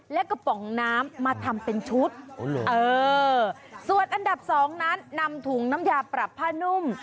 และกระป๋องน้ำมาทำเป็นชุดส่วนอันดับสองนั้นนำถุงน้ำยาปรับผ้านุ่ม